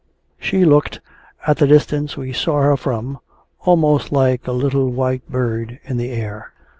She looked, at the distance we saw her from, almost like a little white bird in the air.